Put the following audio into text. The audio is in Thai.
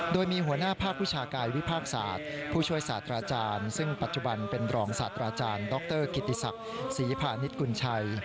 โดยมีหัวหน้าภาควิชากายวิภาคศาสตร์ผู้ช่วยศาสตราจารย์ซึ่งปัจจุบันเป็นรองศาสตราจารย์ดรกิติศักดิ์ศรีพาณิชยกุลชัย